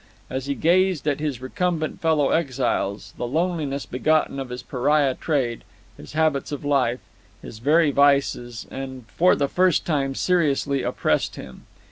As he gazed at his recumbent fellow exiles, the loneliness begotten of his pariah trade, his habits of life, his very vices, for the first time seriously oppressed him.